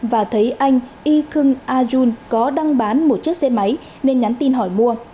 và thấy anh y khương a jun có đăng bán một chiếc xe máy nên nhắn tin hỏi mua